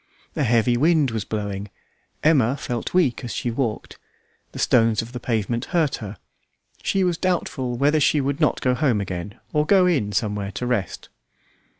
A heavy wind was blowing; Emma felt weak as she walked; the stones of the pavement hurt her; she was doubtful whether she would not go home again, or go in somewhere to rest.